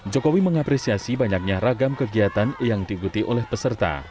jokowi mengapresiasi banyaknya ragam kegiatan yang diikuti oleh peserta